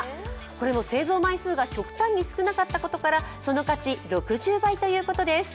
これも製造枚数が極端に少なかったことからその価値、６０倍ということです。